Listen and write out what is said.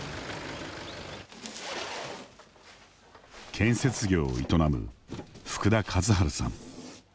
建設業を営む、福田一治さん。